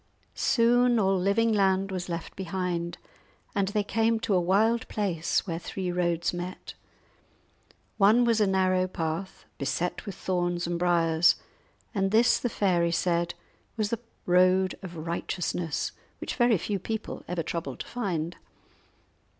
Soon all living land was left behind, and they came to a wild place where three roads met. One was a narrow path, beset with thorns and briers; and this the fairy said was the road of righteousness, which very few people ever troubled to find.